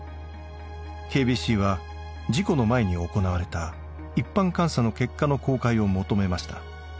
ＫＢＣは事故の前に行われた一般監査の結果の公開を求めました。